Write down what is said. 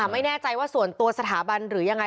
ไม่แน่ใจว่าส่วนตัวสถาบันหรือยังไง